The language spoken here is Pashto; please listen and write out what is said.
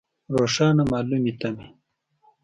روښانه مالومې تمې.